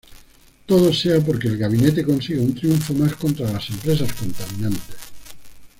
Todo sea porque el gabinete consiga un triunfo mas contra las empresas contaminantes.